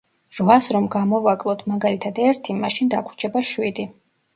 რვას რომ გამოვაკლოთ, მაგალითად ერთი, მაშინ დაგვრჩება შვიდი.